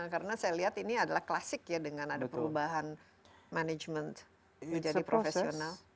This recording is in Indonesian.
karena saya lihat ini adalah klasik ya dengan ada perubahan management menjadi profesional